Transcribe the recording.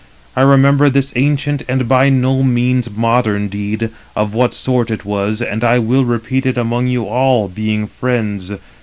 I remember this ancient and by no means modern deed, of what sort it was; and I will repeat it among you all, being friends.